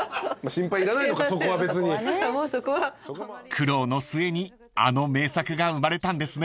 ［苦労の末にあの名作が生まれたんですね］